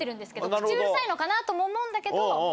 口うるさいのかなとも思うんだけど。